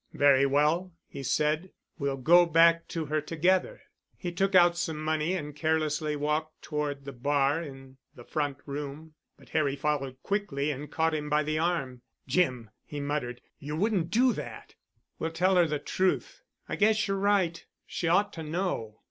"Very well," he said, "we'll go back to her together." He took out some money and carelessly walked toward the bar in the front room. But Harry followed quickly and caught him by the arm. "Jim," he muttered, "you won't do that!" "We'll tell her the truth—I guess you're right. She ought to know."